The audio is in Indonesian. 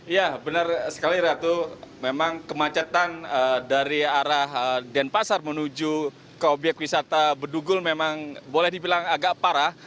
ya benar sekali ratu memang kemacetan dari arah denpasar menuju ke obyek wisata bedugul memang boleh dibilang agak parah